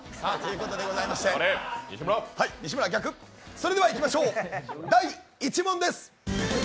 それでいきましょう、第１問です。